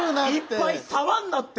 いっぱい触んなって。